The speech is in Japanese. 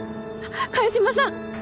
萱島さん！